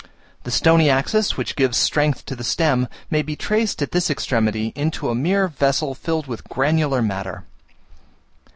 The stony axis which gives strength to the stem may be traced at this extremity into a mere vessel filled with granular matter.